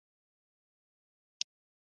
مصنوعي ځیرکتیا د روغتیايي خدماتو لاسرسی زیاتوي.